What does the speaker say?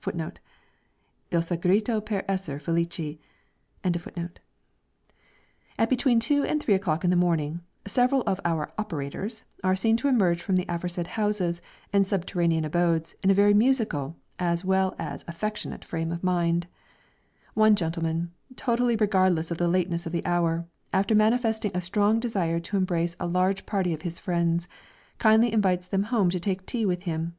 [b] At between two and three o'clock in the morning, several of our operators are seen to emerge from the aforesaid houses and subterranean abodes, in a very musical, as well as affectionate frame of mind. One gentleman, totally regardless of the lateness of the hour, after manifesting a strong desire to embrace a large party of his friends, kindly invites them home to take tea with him.